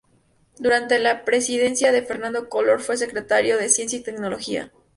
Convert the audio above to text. Durante la presidencia de Fernando Collor fue Secretario de Ciencia y Tecnología.